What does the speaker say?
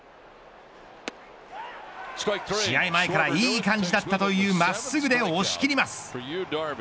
試合前から、いい感じだったという真っすぐで押し切ります。